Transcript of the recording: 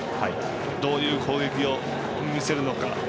どういう攻撃を見せるのか。